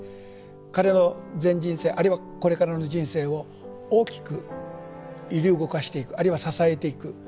彼の全人生あるいはこれからの人生を大きく揺り動かしていくあるいは支えていく。